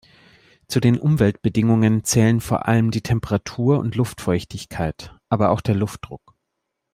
Zu den Umweltbedingungen zählen vor allem die Temperatur und Luftfeuchtigkeit, aber auch der Luftdruck.